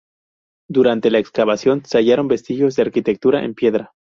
Durante la excavación se hallaron vestigios de arquitectura en piedra.